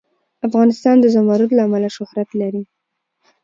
افغانستان د زمرد له امله شهرت لري.